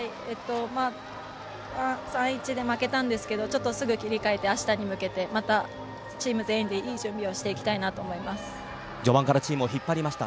３−１で負けたんですけどちょっとすぐ切り替えてあしたに向けてまたチーム全員でいい準備を序盤からチームを引っ張りました。